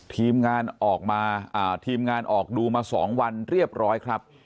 ทีมงานออกดูมาสองวันเรียบร้อยครับ